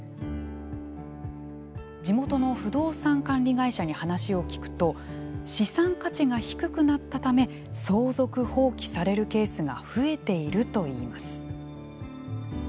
地元の不動産管理会社に話を聞くと資産価値が低くなったため相続放棄されるケースが増えているといいます。